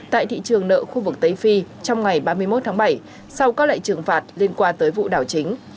tại thị trường nợ khu vực tây phi trong ngày ba mươi một tháng bảy sau các lệnh trừng phạt liên quan tới vụ đảo chính